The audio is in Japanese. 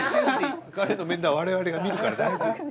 彼の面倒は我々がみるから大丈夫。